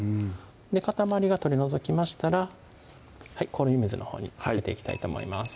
塊が取り除きましたら氷水のほうにつけていきたいと思います